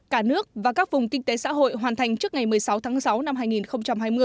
cả nước và các vùng kinh tế xã hội hoàn thành trước ngày một mươi sáu tháng sáu năm hai nghìn hai mươi